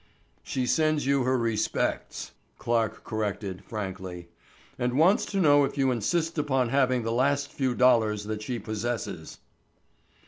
"She sends you her respects," Clarke corrected, frankly, "and wants to know if you insist upon having the last few dollars that she possesses."